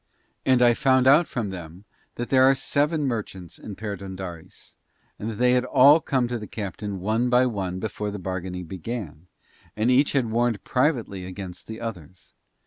And I found out from them that there are seven merchants in Perdóndaris, and that they had all come to the captain one by one before the bargaining began, and each had warned him privately against the others.